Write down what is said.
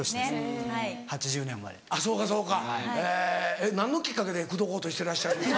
えっ何のきっかけで口説こうとしてらっしゃる？